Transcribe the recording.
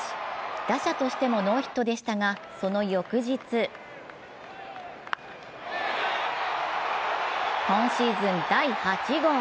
打者としてもノーヒットでしたが、その翌日今シーズン第８号。